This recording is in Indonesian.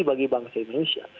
bagi bangsa indonesia